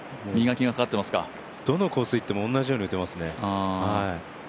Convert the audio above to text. どのコースいっても同じように打てますね。